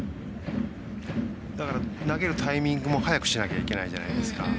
だから、投げるタイミングも早くしなきゃいけないじゃないですか。